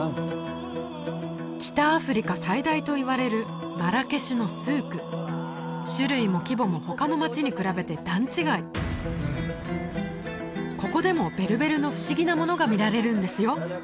北アフリカ最大といわれるマラケシュの種類も規模も他の街に比べて段違いここでもベルベルの不思議なものが見られるんですよ